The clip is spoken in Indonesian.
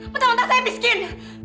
betul betul saya miskin